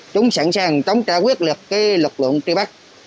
chúng sẵn sàng chống trả quyết liệt lực lượng tri bắc